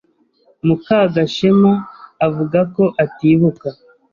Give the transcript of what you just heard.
Mukagashema avuga ko atibuka.